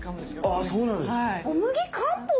ああそうなんですか。